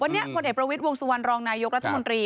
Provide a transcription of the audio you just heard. วันนี้พลเอกประวิทย์วงสุวรรณรองนายกรัฐมนตรี